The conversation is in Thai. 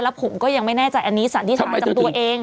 แล้วผมก็ยังไม่แน่ใจอันนี้สัตว์ที่ถามจากตัวเอง